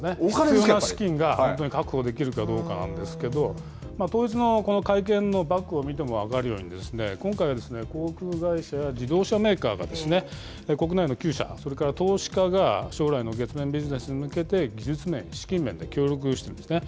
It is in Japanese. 必要な資金が本当に確保できるかどうかなんですけど、当日のこの会見のバックを見ても分かるように、今回は航空会社や自動車メーカーが、国内で９社、それから投資家が将来の月面ビジネスに向けて、技術面、資金面で協力をしているんですね。